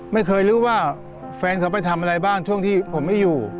ไม่รู้ว่าแฟนเขาไปทำอะไรบ้างช่วงที่ผมไม่อยู่